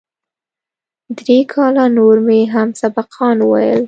درې کاله نور مې هم سبقان وويل.